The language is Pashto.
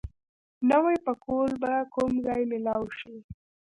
نوی پکول به کوم ځای مېلاو شي؟